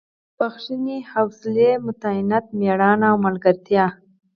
بښنې حوصلې متانت مېړانې او ملګرتیا.